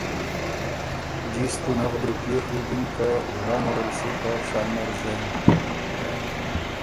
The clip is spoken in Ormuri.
جیستُو نغد روپئے ڒُوکِن که ورا نرل سُو په شامر زېن